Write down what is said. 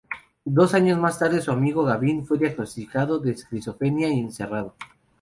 Dos años más tarde su amigo Gavin fue diagnosticado de esquizofrenia y encerrado.